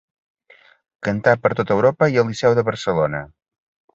Cantà per tot Europa i al Liceu de Barcelona.